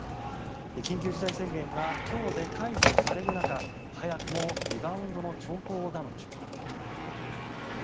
緊急事態宣言が今日で解除される中早くもリバウンドの兆候なのでしょうか。